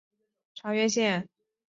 长渊线